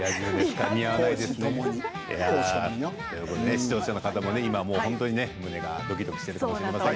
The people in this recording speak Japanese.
視聴者の方も今本当に胸がドキドキしているかもしれません。